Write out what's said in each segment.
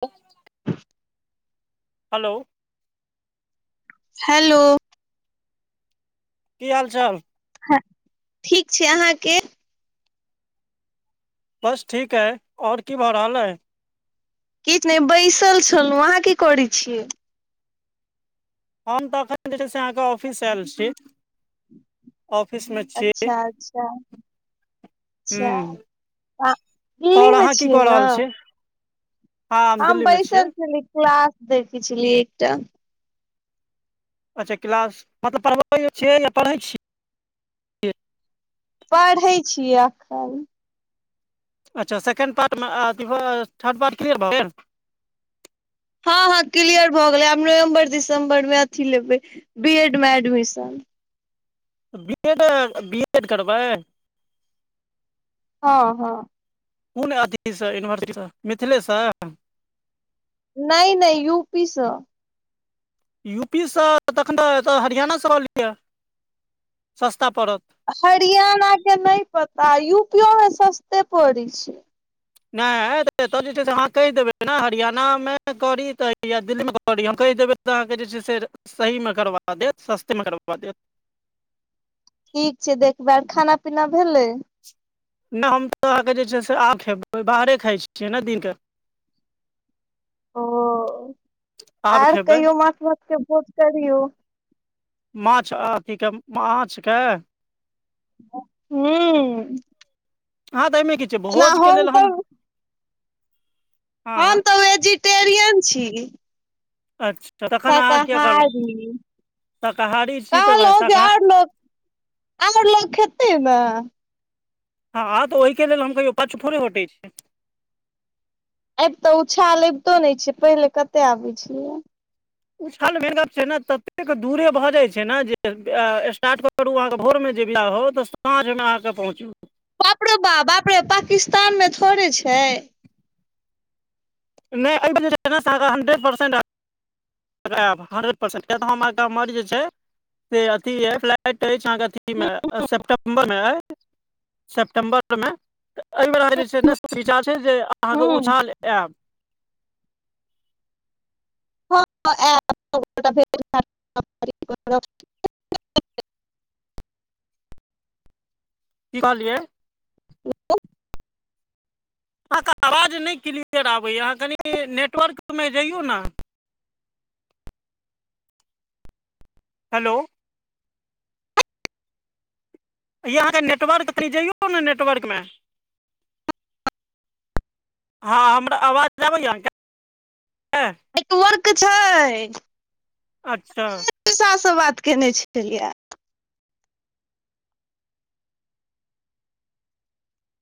ह [unintelligible] hello hello की हाल चाल हँ ठीक छै अहाँके बस ठीक आई आओर की भ रहल आई किछु नै बैसल छलौ अहाँ की करै छियै हम तऽ अखन जे छै से अहाँके ऑफिस आयल छीयै अच्छा अच्छा हूँ च्छा आ दिल्ली आओर मे अहाँ की छियै कऽ न रहल छी हँ हम दिल्ली मे छियै बैसल छलीयै क्लास देखै छलियै एकटा अच्छा क्लास मतलब पढ़बयौ छियै या पढ़ै छियै पढ़ै छीयै एखन अच्छा सेकेंड पार्ट मे अ म अथी थर्ड पार्ट क्लियर भ गेल हँ हँ क्लियर भऽ गेलै आब नवम्बर दिसम्बर मे अथी लेबै बी एड मे admission B Ed B Ed करबाय हँ हँ कुन अथी सँ यूनिवर्सिटी सँ मिथिले सँ नै नै यूपी स यू पी सँ तखन एतऽ हरियाणा सँ कलिए सस्ता पड़त हरियाणा के नै पता यूपीयो मे सस्ते पड़ै छै नै एतय जे छै से अहाँ कहि देबै ने हरियाणा मे करी तऽ या दिल्ली मे क करी हम कहि देबै तऽ अहाँके जे छै से सहीमे करबा देत सस्ते मे करबा देत ठीक छै देखबै आर खाना पीना भेलै नै हम तऽ अहाँके जे छै से आब खेबै बाहरे खाइ छियै न दिनक ओ आब आर खेबै कहियो माछ मौस के भोज करियौ माछ अ अथी के माछ के हुं हँ तऽ एहिमे की छै भोज के लेल हम हँ हम हँ तऽ वेजिटेरियन छी अच्छा तखन अहाँ किया कहलौ शाकाहारी शाकाहारी छी तऽ भाय शा आमुर लोक खेतै मे हँं त ओयके लेल हम कहियो पाछू थोड़े होटै छीयै एब तऽ उछाल अबितो नै छैय पहिले कते आबै छलै या उछाल मेन गप छै न ततेक दूरे भऽ जाय छै न जे अस्टार्ट करू अहाँके भोरमे जे बिद होव तऽ साँझमे अहाँके पहुँचू बाप रौ बा बाप रे पाकिस्तान मे थोड़े छै नै अय बेर जे छै ना आहा के हन्ड्रेड परसेंट आब आयब हंड्रेड परसेंट कियाक तऽ हमर गाम मे जे छै से अथी अई फ्लाइट अछि अहाँके अथी मे सेपटम्बर मे आई सेप्टेम्बर मे तऽ एहि बेर अहाँ के जे छै ने [unintelligible] छै जे अहाँके उछाल आयब [unintelligible] की कहलियै [unintelligible] अहाँके आवाज नै क्लियर आबैया अहाँ कनि नेटवर्क मे जइयौ न हेलो यई अहाँके नेटवर्क कनि जइयौ न नेटवर्क मे हँ हमर आवाज अबैया आहाँ के नेटवर्क छै अच्छा अखने पिसा स बात केने छलिय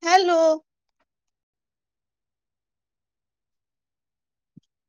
हेलो